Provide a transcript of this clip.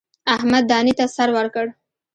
احمد دانې ته سر ورکړ.